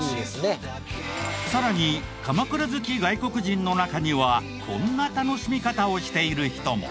さらに鎌倉好き外国人の中にはこんな楽しみ方をしている人も。